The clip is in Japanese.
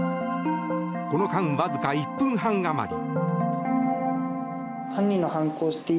この間、わずか１分半余り。